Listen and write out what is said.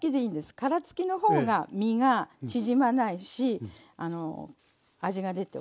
殻付きの方が身が縮まないし味が出ておいしいんですね。